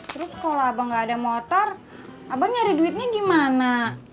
terus kalau abang nggak ada motor abang nyari duitnya gimana